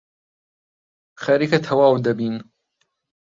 خەریکە تەواو دەبین.